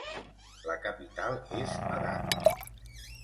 La capital és Padang.